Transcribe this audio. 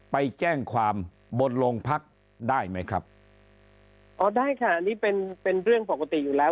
ไปแจ้งความบนโรงพักได้ไหมครับอ๋อได้ค่ะอันนี้เป็นเป็นเรื่องปกติอยู่แล้ว